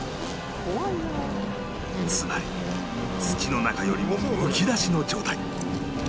つまり土の中よりもむき出しの状態